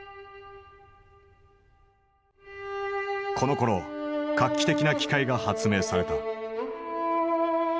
このころ画期的な機械が発明された。